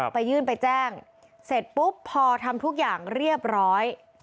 ไปยื่นไปแจ้งเสร็จปุ๊บพอทำทุกอย่างเรียบร้อย